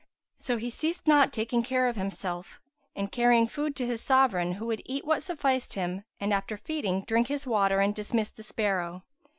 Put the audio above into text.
So he ceased not taking care of himself, and carrying food to his sovereign, who would eat what sufficed him and after feeding drink his water and dismiss the sparrow.